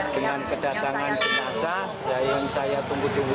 dengan kedatangan jenazah jangan saya tunggu dulu